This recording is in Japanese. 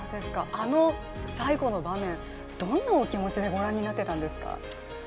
あの最後の場面、どんなお気持ちでご覧になっていたんですか？